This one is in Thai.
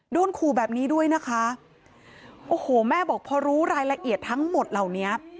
โดนขู่แบบนี้ด้วยนะคะโอ้โหแม่บอกพอรู้รายละเอียดทั้งหมดเหล่านี้